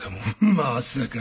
まさか。